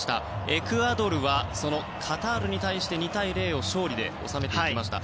エクアドルは、カタールに対して２対０の勝利で収めました。